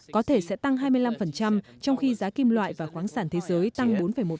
có thể sẽ tăng hai mươi năm trong khi giá kim loại và khoáng sản thế giới tăng bốn một